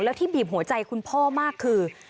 แล้วที่บีบหัวใจคุณพ่อมากคือ